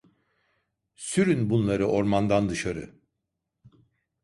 Sürün bunları ormandan dışarı!